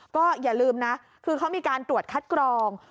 ก็อย่าลืมนะคือเขามีการตรวจคัดกรอง